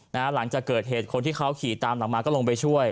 หลังจากเกิดเหตุคนที่เขาขี่ตามหลังมาก็ลงไปช่วย